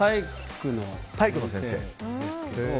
体育の先生で。